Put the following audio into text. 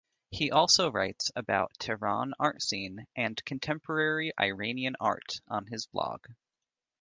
He also writes about Tehran art scene and contemporary Iranian art on his blog.